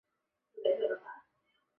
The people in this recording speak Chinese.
建长四年八月接受亲王宣下。